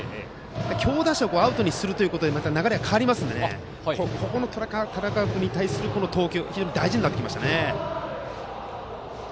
強打者をアウトにすることで流れが変わりますのでここの樽川君に対する投球が非常に大事になってきますね。